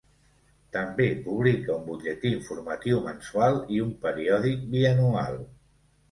També publica un butlletí informatiu mensual i un periòdic bianual.